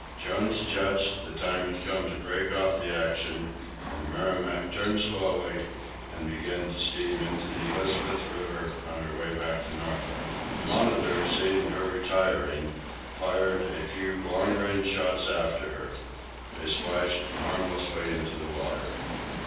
Jones judged the time had come to break off the action, and the "Merrimac" turned slowly, and began to steam into the Elizabeth River, on her way back to Norfolk. The "Monitor," seeing her retiring, fired a few long range shots after her. They splashed harmlessly into the water.